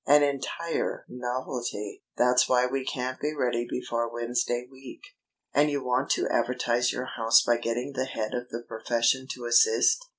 "An entire novelty! That's why we can't be ready before Wednesday week." "And you want to advertise your house by getting the head of the profession to assist?"